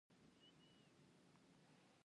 ځمکنی شکل د افغانانو د فرهنګي پیژندنې برخه ده.